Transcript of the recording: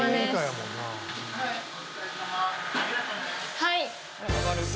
はい。